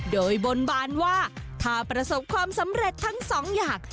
โดยบนบานว่าถ้าประสบความสำเร็จทั้งสองอย่าง